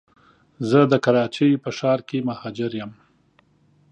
زه د کراچی په ښار کي مهاجر یم